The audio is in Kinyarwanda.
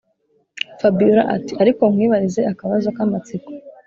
fabiora ati”ariko nkwibarize akabazo kamatsiko